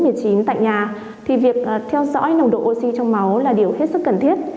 tại nhà thì việc theo dõi nồng độ oxy trong máu là điều hết sức cần thiết